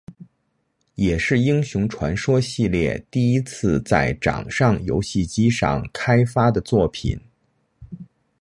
也是英雄传说系列第一次在掌上游戏机上开发的作品。